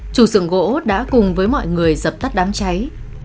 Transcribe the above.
chủ sưởng gỗ đã cùng với mọi người dập tắt đám cháy